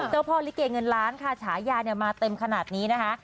เจ้าพ่อลิเกเงินล้านค่ะฉายามาเต็มขนาดนี้นะคะ